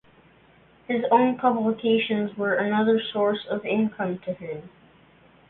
His own publications were another source of income to him.